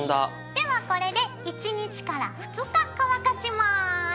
ではこれで１日から２日乾かします。